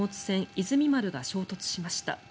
「いずみ丸」が衝突しました。